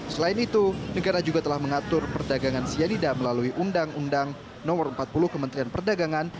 selain itu negara juga telah mengatur perdagangan cyanida melalui undang undang no empat puluh kementerian perdagangan